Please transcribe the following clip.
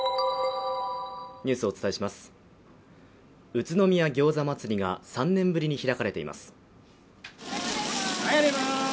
宇都宮餃子祭りが３年ぶりに開かれています。